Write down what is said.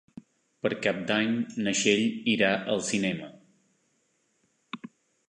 Per Cap d'Any na Txell irà al cinema.